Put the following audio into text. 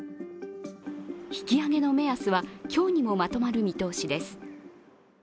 引き上げの目安は今日にもまとまる見通しです。